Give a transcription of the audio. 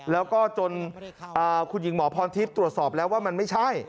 แล้วก็จนคุณหญิงหมอพรทิพย์ตรวจสอบแล้วว่ามันไม่ใช่